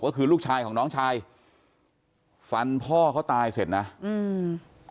ก็คือลูกชายของน้องชายฟันพ่อเขาตายเสร็จนะอืม